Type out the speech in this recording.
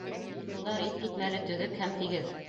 Юлдар иҫ китмәле төҙөк һәм тигеҙ.